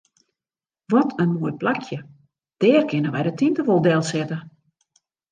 Wat in moai plakje, dêr kinne wy de tinte wol delsette.